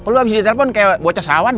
lu abis ditelepon kayak bocasawan